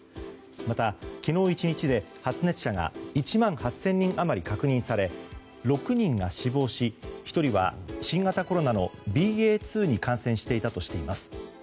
また、昨日１日で発熱者が１万８０００人余り確認され６人が死亡し１人は新型コロナのＢＡ．２に感染していたとしています。